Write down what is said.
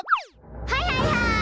はいはいはい。